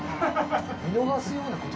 見逃すようなこと？